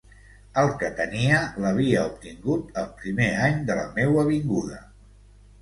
El que tenia l’havia obtingut el primer any de la meua vinguda.